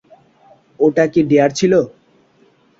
ওটা কি ডেয়ার ছিল?